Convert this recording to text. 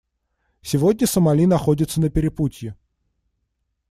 Сегодня Сомали находится на перепутье.